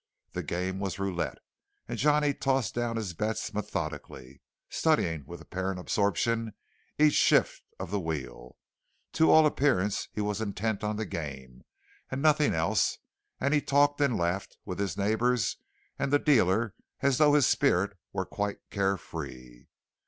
The game was roulette, and Johnny tossed down his bets methodically, studying with apparent absorption each shift of the wheel. To all appearance he was intent on the game, and nothing else; and he talked and laughed with his neighbours and the dealer as though his spirit were quite carefree.